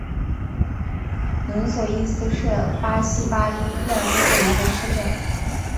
伦索伊斯是巴西巴伊亚州的一个市镇。